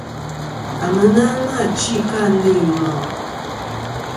Àŋena nà chi kɨ a ndo i mòʼ.